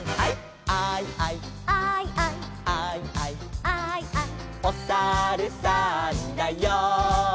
「アイアイ」「アイアイ」「アイアイ」「アイアイ」「おさるさんだよ」